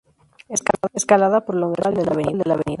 Escalada, prolongación virtual de la Av.